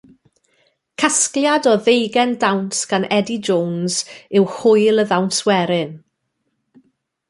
Casgliad o ddeugain dawns gan Eddie Jones yw Hwyl y Ddawns Werin.